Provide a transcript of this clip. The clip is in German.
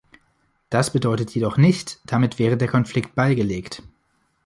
Das bedeutet jedoch nicht, damit wäre der Konflikt beigelegt.